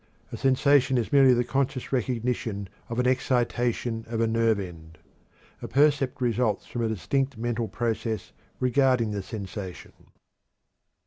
A sensation is merely the conscious recognition of an excitation of a nerve end; a percept results from a distinct mental process regarding the sensation.